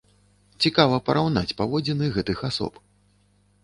Цікава параўнаць паводзіны гэтых асоб.